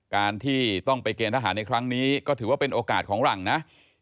การที่ต้องไปเกณฑหารในครั้งนี้ก็ถือว่าเป็นโอกาสของหลังนะ